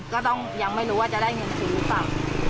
ก็ยังไม่รู้ว่าจะได้เงินจริงหรือเปล่า